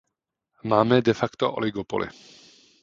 Máme de facto oligopoly.